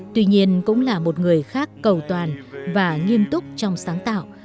tuy nhiên cũng là một người khác cầu toàn và nghiêm túc trong sáng tạo